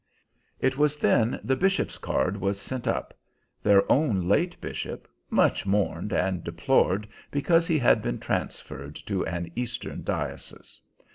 It was then the bishop's card was sent up their own late bishop, much mourned and deplored because he had been transferred to an Eastern diocese.